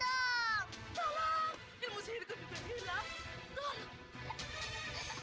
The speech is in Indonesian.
ilmu sihirku juga hilang